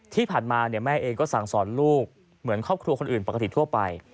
ที่ผ่านมาแม่เองก็สั่งสอนลูกเหมือนครอบครัวคนอื่นปกติทั่วไป